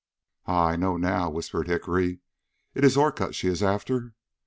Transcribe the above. I know now," whispered Hickory. "It is Orcutt she is after."